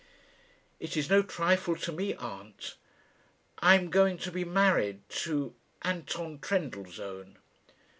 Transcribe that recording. "It is no trifle to me, aunt. I am going to be married to Anton Trendellsohn."